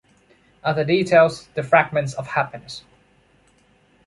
Other details, the fragments of happiness.